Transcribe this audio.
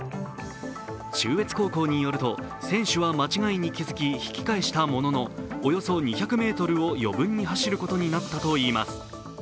中越高校によると、選手は間違いに気付き引き返したものの、およそ２００ｍを余分に走ることになったといいます。